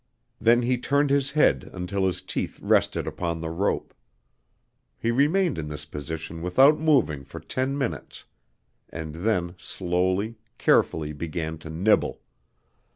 Then he turned his head until his teeth rested upon the rope. He remained in this position without moving for ten minutes and then slowly, carefully began to nibble.